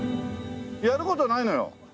やる事ないのよ。